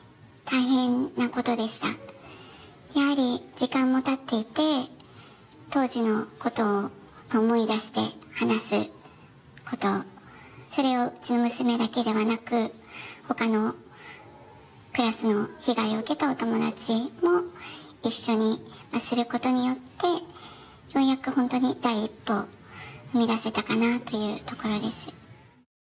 時間もたっていて、当時のことを思い出して話すこと、それをうちの娘だけではなく他のクラスの被害を受けたお友達も一緒にすることによって、ようやく本当に第一歩を踏み出せたというところです。